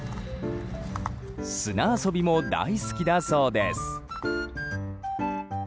砂遊びも大好きだそうです。